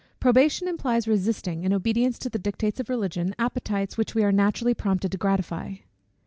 Probation implies resisting, in obedience to the dictates of Religion, appetites which we are naturally prompted to gratify.